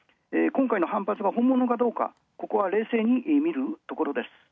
今回の反発は本物かどうか冷静に見るところです。